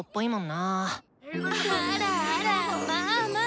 あらあらまあまあ。